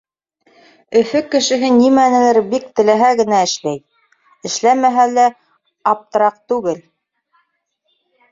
Өфө кешеһе нимәнелер бик теләһә генә эшләй. Эшләмәһә ла аптыраҡ түгел.